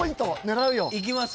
いきますか。